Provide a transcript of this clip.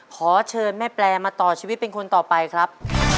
ขอเชิญแม่แปลมาต่อชีวิตเป็นคนต่อไปครับ